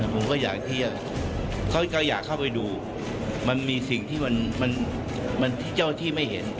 ผมก็อยากเข้าไปดูมันมีสิ่งที่เจ้าหน้าที่ไม่เห็น